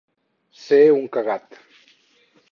Ser un cagat.